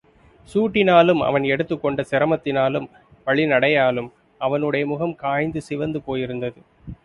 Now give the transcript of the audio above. சூட்டினாலும், அவன் எடுத்துக் கொண்ட சிரமத்தினாலும், வழி நடையாலும் அவனுடைய முகம் காய்ந்து சிவந்து போயிருந்தது.